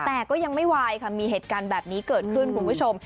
แต่ก็ยังไม่วายค่ะมีเหตุการณ์แบบนี้เกิดขึ้นคุณผู้ชม